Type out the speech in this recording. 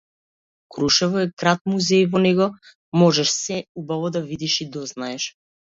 Крушево е град музеј во него можеш се убаво да видиш и дознаеш.